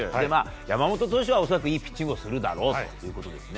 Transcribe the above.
山本投手は恐らくいいピッチングをするだろうということですね。